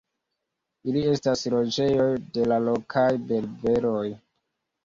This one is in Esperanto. Ili estas loĝejoj de la lokaj berberoj.